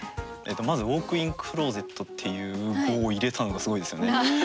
まず「ウォークインクローゼット」っていう語を入れたのがすごいですよね。